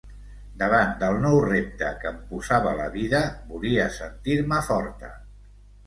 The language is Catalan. Davant del nou repte que em posava la vida, volia sentir-me forta.